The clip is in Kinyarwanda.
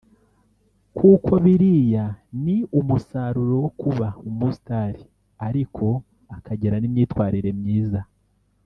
kuko biriya ni umusaruro wo kuba umu star ariko akagira n’imyitwarire myiza